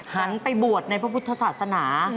หันไปบวชในพระพุทธศาสนา